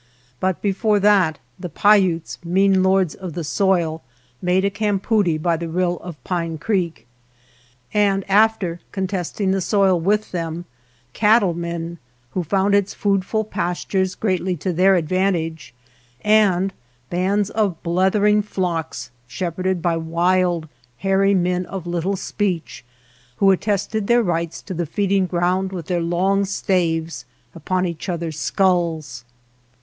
But before that the Paiutes, mesne lords of the soil, made a campoodie by the rill of Pine Creek ; and after, contesting the soil with them, cattle men, who found its foodful pastures greatly to their advantage ; and bands of blethering flocks shepherded by wild, hairy men of little speech, who at tested their rights to the feeding ground with their long staves upon each other's 126 MY NEIGHBORS FIELD skulls.